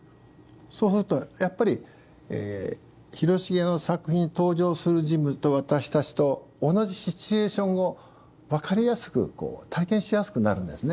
そうするとやっぱり広重の作品に登場する人物と私たちと同じシチュエーションを分かりやすくこう体験しやすくなるんですね。